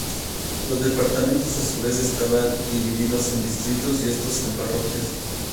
Los departamentos a su vez estaban divididos en distritos y estos en parroquias.